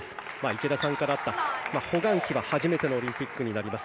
池田さんからあったホ・グァンヒは初めてのオリンピックになります。